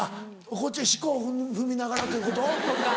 こっちは四股を踏みながらということ？